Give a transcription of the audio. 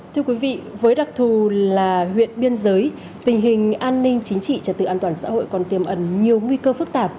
thưa quý vị với đặc thù là huyện biên giới tình hình an ninh chính trị trật tự an toàn xã hội còn tiêm ẩn nhiều nguy cơ phức tạp